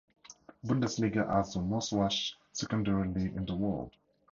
Bundesliga as the most-watched secondary league in the world.